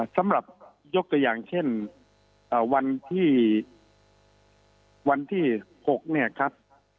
สำหรับยกตัวอย่างเช่นวันที่วันที่๖เนี่ยครับ